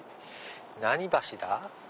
何橋だ？